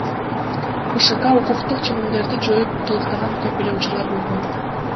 БШК укуктук ченемдерди жоюп толуктаган көп эле учурлар болгон.